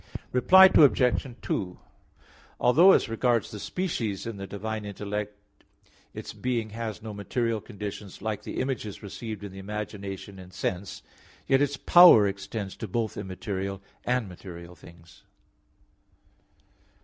Reply Obj. 2: Although as regards the species in the divine intellect its being has no material conditions like the images received in the imagination and sense, yet its power extends to both immaterial and material things.